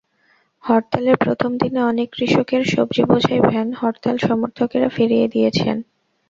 হরতালের প্রথম দিনে অনেক কৃষকের সবজিবোঝাই ভ্যান হরতাল সমর্থকেরা ফিরিয়ে দিয়েছেন।